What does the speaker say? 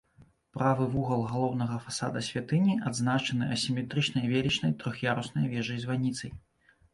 Правы вугал галоўнага фасада святыні адзначаны асіметрычнай велічнай трох'яруснай вежай-званіцай.